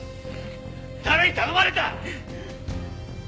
誰に頼まれた！？